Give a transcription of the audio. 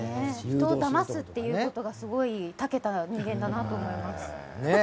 人をだますことがすごくたけた人間だなと思います。